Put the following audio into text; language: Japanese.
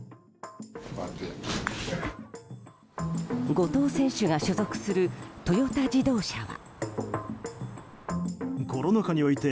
後藤選手が所属するトヨタ自動車は。